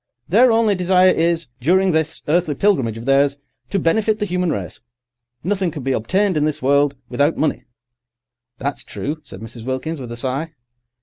Their only desire is, during this earthly pilgrimage of theirs, to benefit the human race. Nothing can be obtained in this world without money—" "That's true," said Mrs. Wilkins, with a sigh.